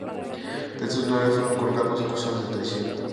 De estos, nueve fueron colgados acusados de traición.